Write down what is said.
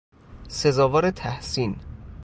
سزاوار تحسین